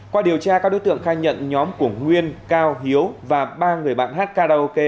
qua điều tra các đối tượng khai nhận nhóm của nguyên cao hiếu và ba người bạn hát karaoke